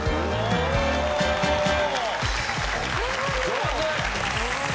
上手！